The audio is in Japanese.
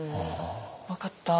「分かった。